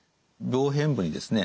病変部にですね